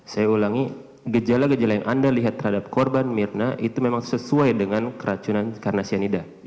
saya ulangi gejala gejala yang anda lihat terhadap korban mirna itu memang sesuai dengan keracunan karena cyanida